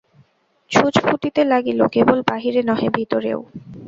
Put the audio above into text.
ছুঁচ ফুটিতে লাগিল কেবল বাহিরে নহে, ভিতরেও।